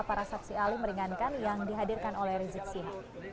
para saksi ahli meringankan yang dihadirkan oleh rizik sihab